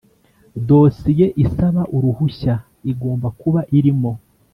Dosiye isaba uruhushya igomba kuba irimo